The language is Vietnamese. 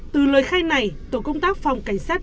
từ lời khai này tổ công tác phòng cảnh sát đề nghị